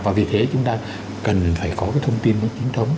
và vì thế chúng ta cần phải có cái thông tin chính thống